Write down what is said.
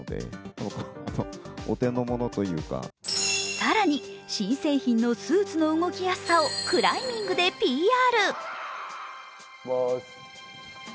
更に新製品のスーツの動きやすさをクライミングでＰＲ。